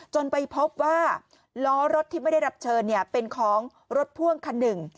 จนไปพบว่าล้อรถที่ไม่ได้รับเชิญเป็นของรถพ่วงคันหนึ่ง